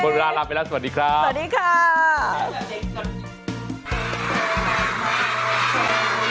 บนเวลาลาไปแล้วสวัสดีครับ